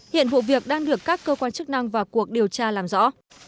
hiện vụ việc đang được các cơ quan chức năng vào cuộc điều tra làm rõ